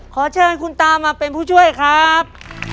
ขอเชิญคุณตามาเป็นผู้ช่วยครับ